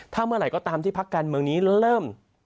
ถ้าเมื่อไหร่ก็ตามที่พักการเมืองนี้เริ่ม